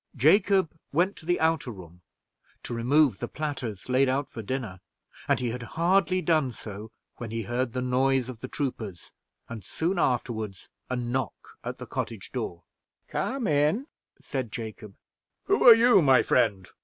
Jacob went to the outer room, to remove the platters laid out for dinner; and he had hardly done so when he heard the noise of the troopers, and soon afterward a knock at the cottage door. "Come in," said Jacob. "Who are you, my friend?"